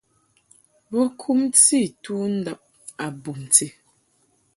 Bo kumti mɨ tundab a bumti.